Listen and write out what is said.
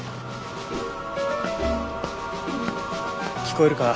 聞こえるか？